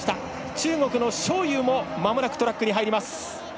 中国の章勇もまもなくトラックに入ります。